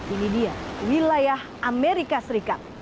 ini dia wilayah amerika serikat